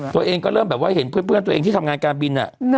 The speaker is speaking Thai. ตัวเองก็เริ่มแบบว่าเห็นเพื่อนตัวเองที่ทำงานการบิน